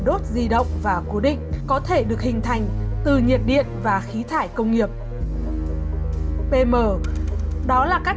đốt di động và cố định có thể được hình thành từ nhiệt điện và khí thải công nghiệp pm đó là các